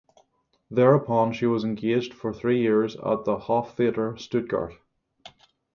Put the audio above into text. Thereupon she was engaged for three years at the Hoftheater Stuttgart.